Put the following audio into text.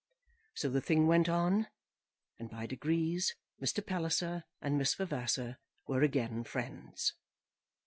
So the thing went on, and by degrees Mr. Palliser and Miss Vavasor were again friends.